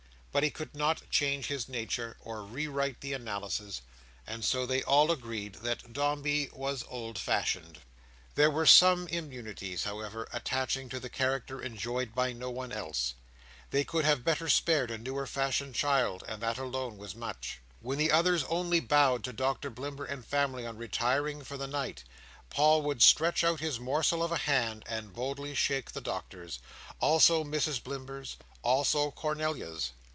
But he could not change his nature, or rewrite the analysis; and so they all agreed that Dombey was old fashioned. There were some immunities, however, attaching to the character enjoyed by no one else. They could have better spared a newer fashioned child, and that alone was much. When the others only bowed to Doctor Blimber and family on retiring for the night, Paul would stretch out his morsel of a hand, and boldly shake the Doctor's; also Mrs Blimber's; also Cornelia's.